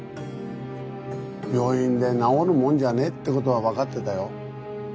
病院で治るもんじゃねえってことは分かってたよ。